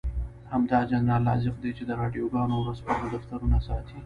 همدا جنرال رازق دی چې د راډيوګانو او ورځپاڼو دفترونه ساتي.